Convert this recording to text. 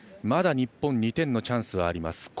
まだ日本２点のチャンスはあります。